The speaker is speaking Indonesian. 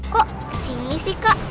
kok ke sini sih kak